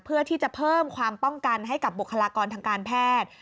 เพื่อที่จะเพิ่มความป้องกันให้กับบุคลากรทางการแพทย์